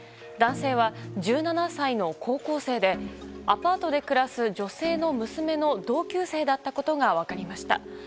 男性は１７歳の高校生でアパートで暮らす女性の娘の同級生だったことが分かりました。